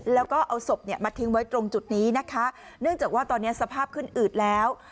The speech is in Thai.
แล้วก็เอาศพเนี่ยมาทิ้งไว้ตรงจุดนี้นะคะเนื่องจากว่าตอนนี้สภาพขึ้นอืดแล้ว